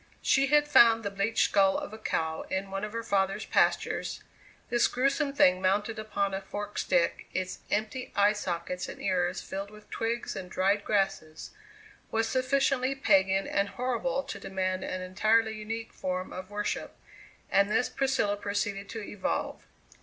She had found the bleached skull of a cow in one of her father's pastures; this gruesome thing mounted upon a forked stick, its empty eye sockets and ears filled with twigs and dried grasses, was sufficiently pagan and horrible to demand an entirely unique form of worship, and this Priscilla proceeded to evolve.